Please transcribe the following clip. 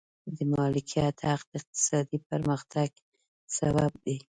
د مالکیت حق د اقتصادي پرمختګ سبب دی.